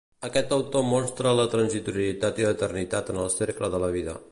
Aquest autor mostra la transitorietat i l'eternitat en el cercle de la vida.